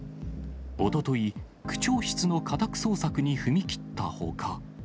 おととい、区長室の家宅捜索に踏み切ったほか。